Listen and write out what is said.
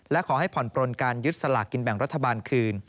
และขอให้ผ่อนปลนการยึดสลากกินแบ่งรัฐบาลคืน